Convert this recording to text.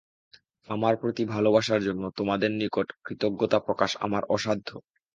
আমার প্রতি ভালবাসার জন্য তোমাদের নিকট কৃতজ্ঞতা প্রকাশ আমার অসাধ্য।